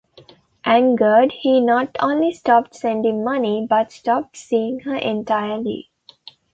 Angered, he not only stopped sending money, but stopped seeing her entirely.